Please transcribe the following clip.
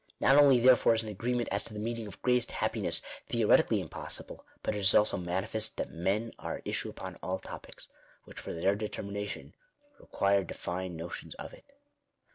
Not only therefore is an agreement as to the mean ing of "greatest happiness" theoretically impossible, but it is also manifest, that men are at issue upon all topics, which for their determination require defined notions of it.